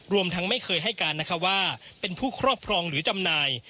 รวมทั้งไม่เคยให้การนะคะว่าเป็นผู้ครอบครองหรือจำหน่าย